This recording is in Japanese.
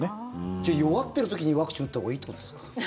じゃあ、弱ってる時にワクチン打ったほうがいいってことですか？